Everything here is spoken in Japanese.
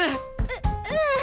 うううん。